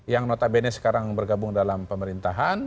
yang notabene sekarang bergabung dalam pemerintahan